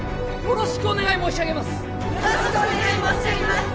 よろしくお願い申し上げます。